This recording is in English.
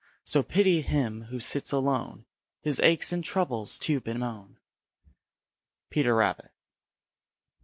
So pity him who sits alone His aches and troubles to bemoan. Peter Rabbit.